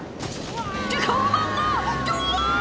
「って看板が！どわ！」